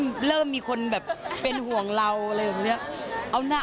มันเริ่มมีคนแบบเป็นห่วงเราอะไรแบบนี้